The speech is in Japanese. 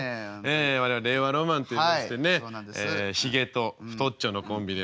我々令和ロマンといいましてねヒゲと太っちょのコンビです。